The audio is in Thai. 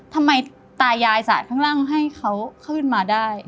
ทำไมตายายสาดข้างล่างให้เขาขึ้นมาได้